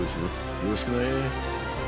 よろしくね。